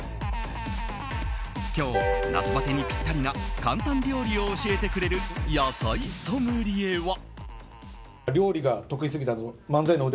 今日、夏バテにピッタリな簡単料理を教えてくれる野菜ソムリエは。